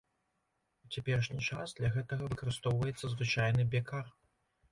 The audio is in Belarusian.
У цяперашні час для гэтага выкарыстоўваецца звычайны бекар.